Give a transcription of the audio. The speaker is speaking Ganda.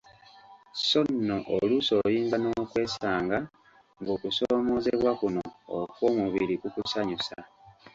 So nno oluusi oyinza n'okwesanga ng'okusoomoozebwa kuno okw'omubiri kukusanyusa.